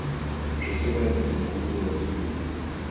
Je serai notre bourreau à tous deux.